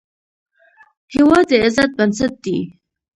هېواد د عزت بنسټ دی.